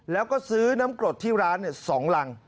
แล้วก็ซื้อน้ำกรดที่ร้าน๒รัง